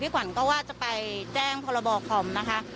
ขวัญก็ว่าจะไปแจ้งพรบคอมนะคะ